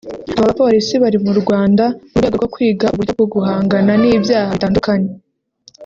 Aba bapolisi bari mu Rwanda mu rwego rwo kwiga uburyo bwo guhangana n’ibyaha bitandukanye